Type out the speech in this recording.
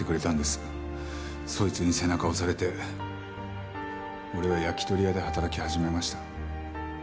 そいつに背中を押されて俺は焼き鳥屋で働き始めました。